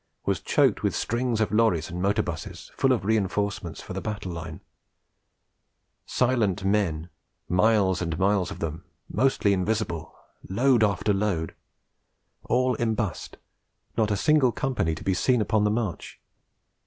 was choked with strings of lorries and motor 'buses full of reinforcements for the battle line; silent men, miles and miles of them, mostly invisible, load after load; all embussed, not a single company to be seen upon the march.